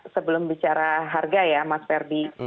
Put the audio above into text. sebelum bicara harga ya mas ferdi